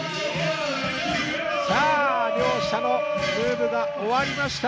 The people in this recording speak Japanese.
両者のムーブが終わりました。